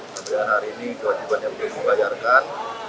sampai hari ini kewajiban yang bisa dibayarkan